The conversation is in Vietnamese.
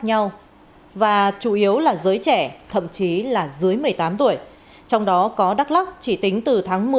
nhau và chủ yếu là giới trẻ thậm chí là dưới một mươi tám tuổi trong đó có đắk lắc chỉ tính từ tháng một mươi